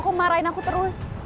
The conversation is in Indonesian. kamu marahin aku terus